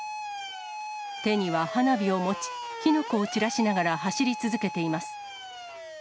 手には花火を持ち、火の粉を散らしながら走り続けています。